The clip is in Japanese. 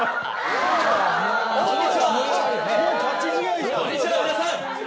こんにちは皆さん！